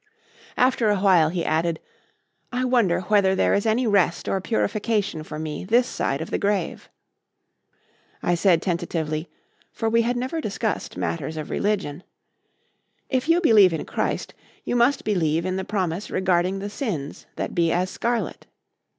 After a while he added: "I wonder whether there is any rest or purification for me this side of the grave." I said tentatively, for we had never discussed matters of religion: "If you believe in Christ, you must believe in the promise regarding the sins that be as scarlet."